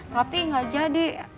tapi gak jadi